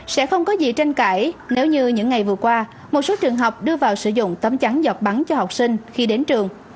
sẽ không có gì tranh cãi nếu như những ngày vừa qua một số trường học đưa vào sử dụng tấm chắn giọt bắn cho học sinh khi đến trường